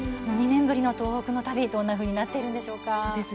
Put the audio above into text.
２年ぶりの東北の旅、どんなふうになっているんでしょうか。